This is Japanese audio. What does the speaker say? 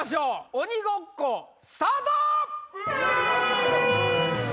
鬼ごっこスタート！